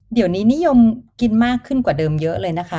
เดี๋ยวนี้นิยมกินมากขึ้นกว่าเดิมเยอะเลยนะคะ